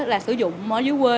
là sử dụng ở dưới quê